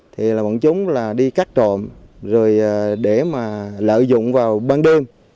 thì bọn chúng đi cắt trộm để lợi dụng vào ban đêm